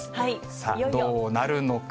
さあ、どうなるのか。